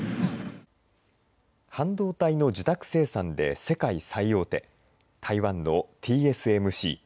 半導体の受託生産で世界最大手、台湾のＴＳＭＣ。